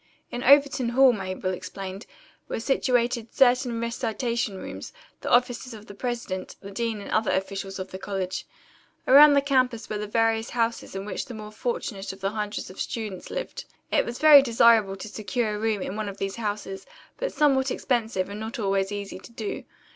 In Overton Hall, Mabel explained, were situated certain recitation rooms, the offices of the president, the dean and other officials of the college. Around the campus were the various houses in which the more fortunate of the hundreds of students lived. It was very desirable to secure a room in one of these houses, but somewhat expensive and not always easy to do.